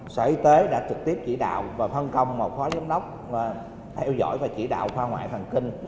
sở y tế đã trực tiếp chỉ đạo và phân công một phó giám đốc theo dõi và chỉ đạo khoa ngoại thần kinh